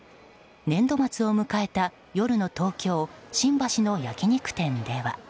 年度末を迎えた夜の東京・新橋の焼き肉店では。